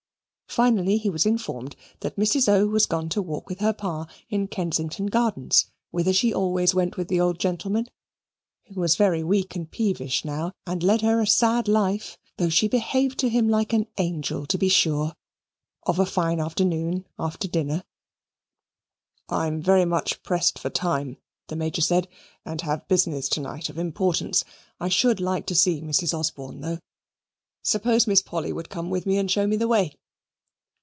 Finally, he was informed that Mrs. O. was gone to walk with her pa in Kensington Gardens, whither she always went with the old gentleman (who was very weak and peevish now, and led her a sad life, though she behaved to him like an angel, to be sure), of a fine afternoon, after dinner. "I'm very much pressed for time," the Major said, "and have business to night of importance. I should like to see Mrs. Osborne tho'. Suppose Miss Polly would come with me and show me the way?"